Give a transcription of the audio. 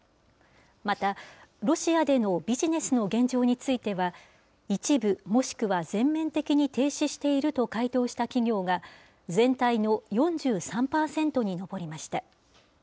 また、ロシアでのビジネスの現状については、一部もしくは全面的に停止していると回答した企業が全体の４３％に上りました。